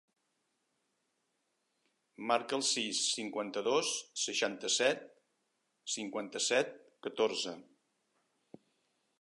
Marca el sis, cinquanta-dos, seixanta-set, cinquanta-set, catorze.